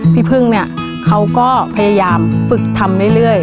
พี่พึ่งเนี่ยเขาก็พยายามฝึกทำเรื่อย